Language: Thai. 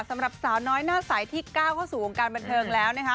สำหรับสาวน้อยหน้าสายที่๙เข้าสู่วงการบันเทิงแล้ว